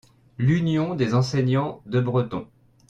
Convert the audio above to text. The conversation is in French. L'Union des Enseignants de Breton.